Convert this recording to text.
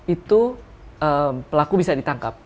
itu pelaku bisa ditangkap